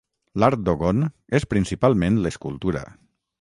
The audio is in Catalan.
L'art dogon és principalment l'escultura.